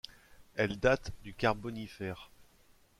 Elles datent du Carbonifère.